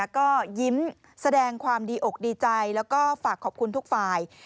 ก็ยิ้มแสดงความดีอกดีใจแล้วก็ฝากขอบคุณทุกฝ่าย